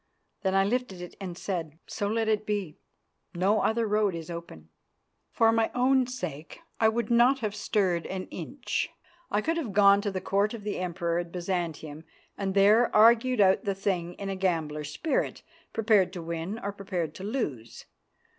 Then I lifted it and said, "So let it be. No other road is open." For my own sake I would not have stirred an inch. I would have gone to the Court of the Emperor at Byzantium and there argued out the thing in a gambler's spirit, prepared to win or prepared to lose.